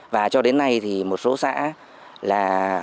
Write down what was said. và cho đến nay thì một số xã là